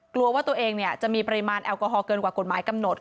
กลัวว่าตัวเองจะมีปริมาณแอลกอฮอลเกินกว่ากฎหมายกำหนด